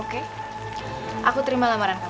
oke aku terima lamaran